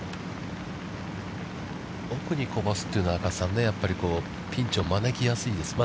奥に飛ばすというのは、やっぱりピンチを招きやすいですね。